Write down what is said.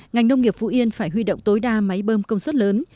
ngành nông nghiệp phú yên phải huy động tối đa máy bơm công suất lớn